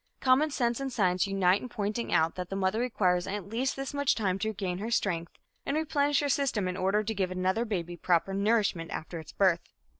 Common sense and science unite in pointing out that the mother requires at least this much time to regain her strength and replenish her system in order to give another baby proper nourishment after its birth.